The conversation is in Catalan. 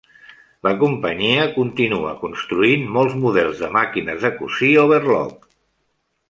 La companyia continua construint molts models de màquines de cosir overloc.